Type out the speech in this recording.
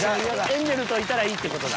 エンジェルといたらいいって事だ。